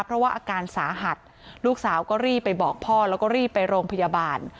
เพราะว่าอาการสาหัสลูกสาวก็รีบไปบอกพ่อแล้วก็รีบไปโรงพยาบาล